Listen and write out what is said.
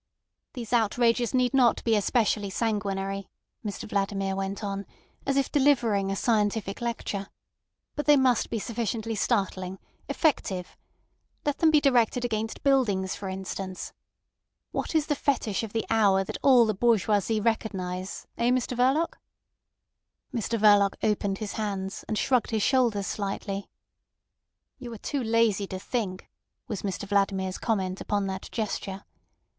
"These outrages need not be especially sanguinary," Mr Vladimir went on, as if delivering a scientific lecture, "but they must be sufficiently startling—effective. Let them be directed against buildings, for instance. What is the fetish of the hour that all the bourgeoisie recognise—eh, Mr Verloc?" Mr Verloc opened his hands and shrugged his shoulders slightly. "You are too lazy to think," was Mr Vladimir's comment upon that gesture.